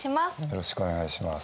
よろしくお願いします。